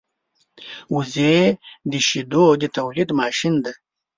وزې د شیدو د تولېدو ماشین دی